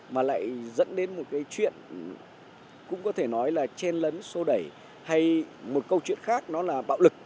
mà lại dẫn đến một cái chuyện cũng có thể nói là chen lấn sô đẩy hay một câu chuyện khác nó là bạo lực